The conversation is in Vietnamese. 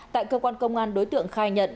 tại cơ quan công an đối tượng khai nhận